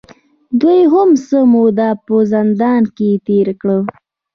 دوې هم څۀ موده پۀ زندان کښې تېره کړه